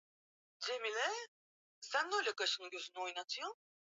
Historia hiyo tuliipokea na ndiyo tunavyowafundisha vijana wetu